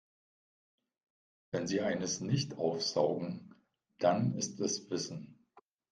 Wenn sie eines nicht aufsaugen, dann ist es Wissen.